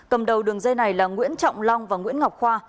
cầm đầu đường dây này là nguyễn trọng long và nguyễn ngọc khoa